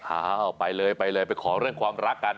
อ้าวไปเลยไปเลยไปขอเรื่องความรักกัน